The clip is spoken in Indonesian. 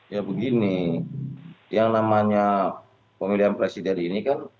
ya begini yang namanya pemilihan presiden ini kan